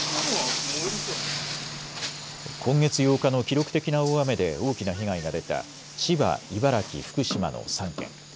今月８日の記録的な大雨で大きな被害が出た千葉、茨城、福島の３県。